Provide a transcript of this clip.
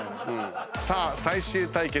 さあ最終対決